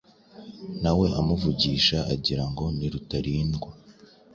nawe amuvugisha agira ngo ni Rutalindwa,